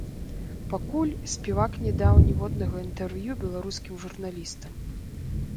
Пакуль спявак не даў ніводнага інтэрв'ю беларускім журналістам.